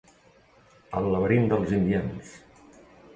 "El laberint dels indians"